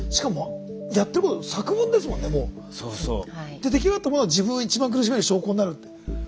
で出来上がったものが自分を一番苦しめる証拠になるって。